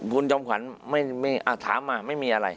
คุณจอมขวัญถามมาไม่มีอะไร